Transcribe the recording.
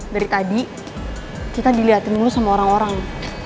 dari tadi kita dilihatin dulu sama orang orang